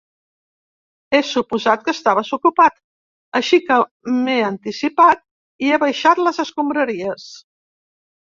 He suposat que estaves ocupat, així que m'he anticipat i he baixat les escombraries.